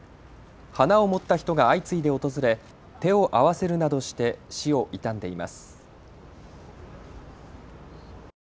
花を持った人が相次いで訪れ手を合わせるなどして死を悼んでいます。